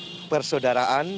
tidak ada lagi persaudaraan